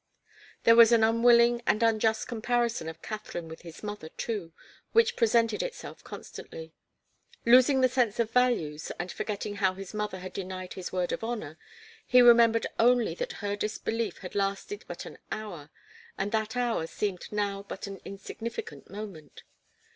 There was an unwilling and unjust comparison of Katharine with his mother, too, which presented itself constantly. Losing the sense of values and forgetting how his mother had denied his word of honour, he remembered only that her disbelief had lasted but an hour, and that hour seemed now but an insignificant moment.